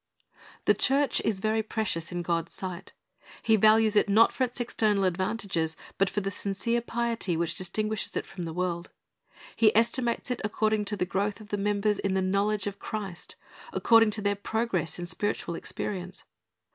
The church is very precious in God's sight. He values it, not for its external advantages, but for the sincere piety which distinp uishes it from the world. He estimates it according to the growth of the members in the knowledge of Christ, according to their progress in spiritual experience.